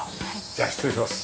じゃあ失礼します。